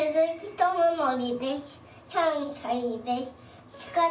３さいです。